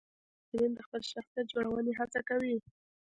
ځینې محصلین د خپل شخصیت جوړونې هڅه کوي.